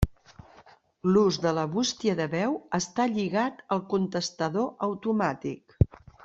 L'ús de la bústia de veu està lligat al contestador automàtic.